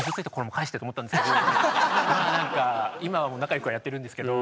ほんと今は仲良くはやってるんですけど。